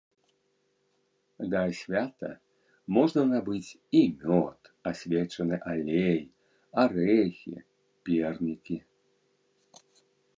Да свята можна набыць і мёд, асвечаны алей, арэхі, пернікі.